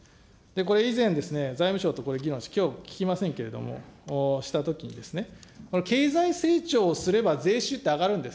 これ、以前ですね、財務省と議論して、きょう聞きませんけれども、したときに、経済成長をすれば、税収って上がるんです。